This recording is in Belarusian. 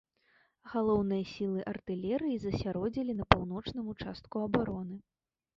Галоўныя сілы артылерыі засяродзілі на паўночным участку абароны.